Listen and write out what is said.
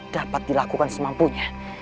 dapat dilakukan semampunya